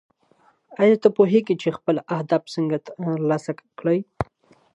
ایا ته پوهېږې چې خپل اهداف څنګه ترلاسه کړې؟